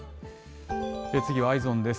次はＥｙｅｓｏｎです。